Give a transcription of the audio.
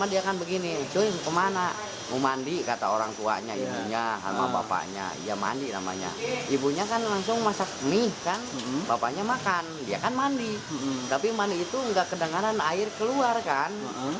ini kan bapaknya makan dia kan mandi tapi mandi itu gak kedengaran air keluar kan